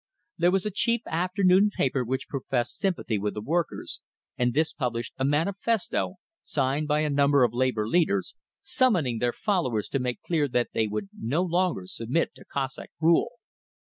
There was a cheap afternoon paper which professed sympathy with the workers, and this published a manifesto, signed by a number of labor leaders, summoning their followers to make clear that they would no longer submit to "Cossack rule."